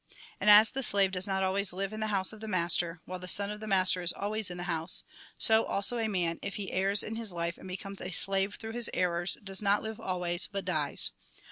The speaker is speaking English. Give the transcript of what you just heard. " And as the slave does not always live in the house of the master, while the sou of the master is always in the house, so also a man, if he errs in his life and becomes a slave through his errors, does not live always, but dies.